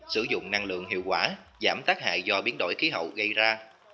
sử dụng năng lượng hiệu quả giảm tác hại do biến đổi khí hậu gây ra